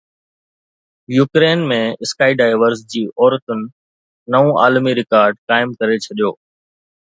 Ukraine ۾ sky divers جي عورتن نئون عالمي رڪارڊ قائم ڪري ڇڏيو